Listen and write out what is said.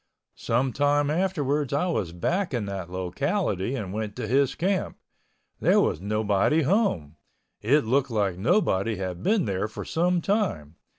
Some time afterwards I was back in that locality and went to his camp. There was nobody home. It looked like nobody had been there for some time.